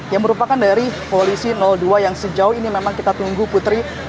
yang merupakan dari polisi dua yang sejauh ini memang kita tunggu putri